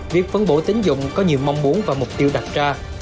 việc phân bổ tín dụng có nhiều mong muốn và mục tiêu đặt ra